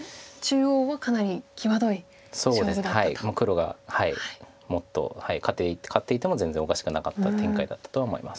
黒がもっと勝っていても全然おかしくなかった展開だったとは思います。